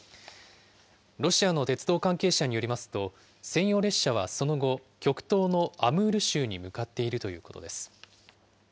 ロシアの鉄道関係者によりますと、専用列車はその後、極東のアムール州に向かっているということです。